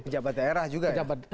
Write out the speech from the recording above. jabat daerah juga ya